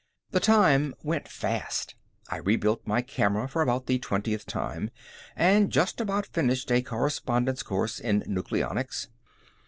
The time went fast. I rebuilt my camera for about the twentieth time and just about finished a correspondence course in nucleonics.